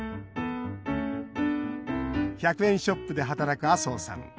１００円ショップで働く麻生さん。